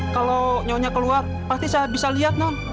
kalau nyonya keluar pasti saya bisa lihat non